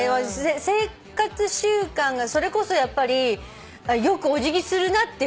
生活習慣がそれこそやっぱりよくお辞儀するなって私は言われたから。